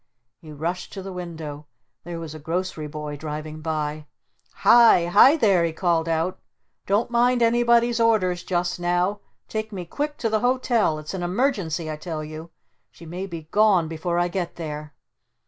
He rushed to the window. There was a grocery boy driving by. "Hi! Hi there!" he called out. "Don't mind anybody's orders just now! Take me quick to the Hotel! It's an Emergency I tell you! She may be gone before I get there!"